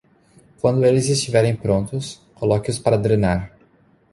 Quando eles estiverem prontos, coloque-os para drenar.